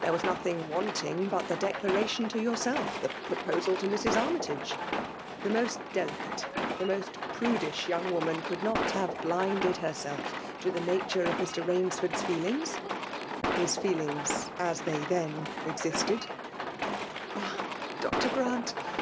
There tras nothmg wanting but the declaration to yoursdf— the proposal to Mrs. Armytage. Thi most delicate* the most prudish young woman eould not have blinded herself to the nature of Mr. Bainsford*s feelings — his feelings tis they then existed,^* *• Ah I Doctor Grant